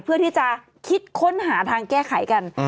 เพื่อที่จะคิดค้นหาทางแก้ไขกัน